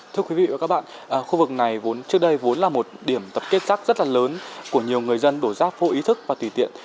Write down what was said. thưa quý vị và các bạn khu vực này trước đây vốn là một điểm tập kết rác rất là lớn của nhiều người dân đổ rác vô ý thức và tùy tiện